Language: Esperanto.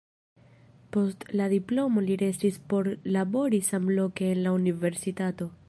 Post la diplomo li restis por labori samloke en la universitato.